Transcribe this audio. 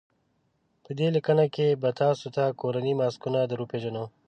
په دې لیکنه کې به تاسو ته کورني ماسکونه در وپېژنو.